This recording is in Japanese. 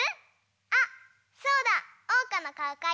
あそうだ！おうかのかおかいて！